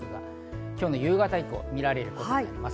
今日の夕方以降見られるということになります。